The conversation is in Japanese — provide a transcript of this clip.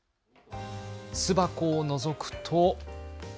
巣箱をのぞくと。